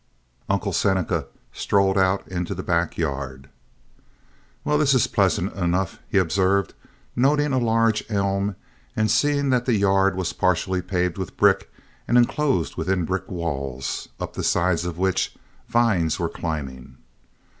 Uncle Seneca strolled out into the back yard. "Well, this is pleasant enough," he observed, noting a large elm and seeing that the yard was partially paved with brick and enclosed within brick walls, up the sides of which vines were climbing.